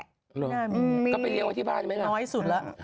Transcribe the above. อ๋อก็ไปเดียวกับที่บ้านมองน้อยสุดละ